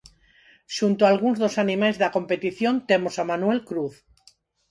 Xunto a algúns dos animais da competición temos a Manuel Cruz.